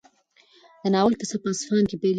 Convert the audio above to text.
د ناول کیسه په اصفهان کې پیلېږي.